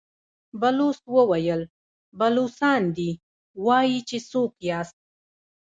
بلوڅ وويل: بلوڅان دي، وايي چې څوک ياست؟